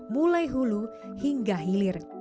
mulai hulu hingga hilir